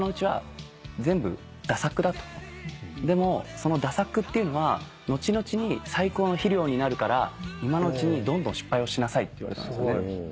その駄作っていうのは後々に最高の肥料になるから今のうちにどんどん失敗をしなさい」って言われたんです。